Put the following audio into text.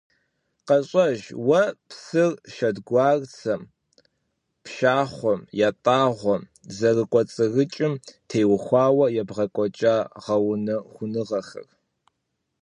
КъэщӀэж уэ псыр шэдгуарцэм, пшахъуэм, ятӀагъуэм зэрыкӀуэцӀрыкӀым теухуауэ ебгъэкӀуэкӀа гъэунэхуныгъэхэр.